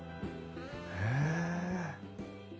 へえ。